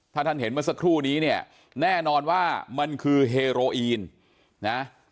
ถ้าท่านเห็นเมื่อสักครู่นี้เนี่ยแน่นอนว่ามันคือเฮโรอีนนะ